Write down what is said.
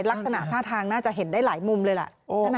ลักษณะหน้าทางน่าจะเห็นได้หลายมุมเลยแหละ